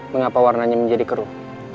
mengapa warnanya menjadi keruh